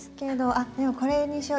あっでもこれにしよう。